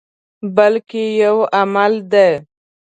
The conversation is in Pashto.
بلکې یو عمل دی.